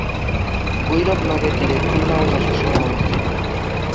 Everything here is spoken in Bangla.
ভৈরব নদের তীরে খুলনা ও যশোর শহর অবস্থিত।